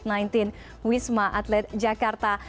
dan wisma atlet jakarta